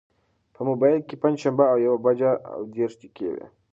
په مبایل کې پنجشنبه او یوه بجه او دېرش دقیقې وې.